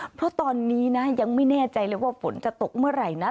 เพราะตอนนี้นะยังไม่แน่ใจเลยว่าฝนจะตกเมื่อไหร่นะ